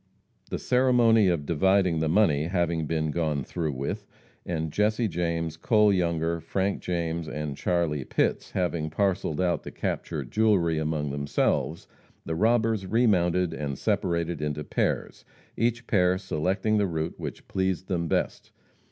The ceremony of dividing the money having been gone through with, and Jesse James, Cole Younger, Frank James and Charlie Pitts having parceled out the captured jewelry among themselves, the robbers remounted and separated into pairs, each pair selecting the route which pleased them best.